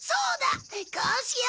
こうしようよ。